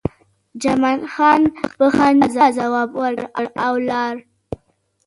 جمال خان په خندا ځواب ورکړ او لاړ